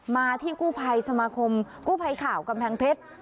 มาที่กู้ภัยสมาคมกู้ภัยข่าวกำแพงเพชร